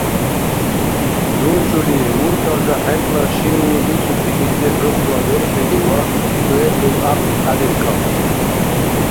Думжули, мурталра хӀеркӀла шинни ицути илди хӀурхъла берхӀили ва цӀуэрли пӀякь-пӀядиркахъи.